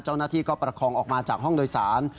เจ้าหน้าที่ก็ประคองออกมาจากห้องโดยสาร